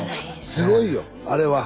すごいよあれは。